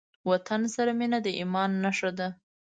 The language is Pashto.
وطن سره مينه د ايمان نښه ده.